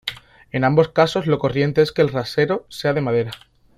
En ambos casos lo corriente es que el rasero sea de madera.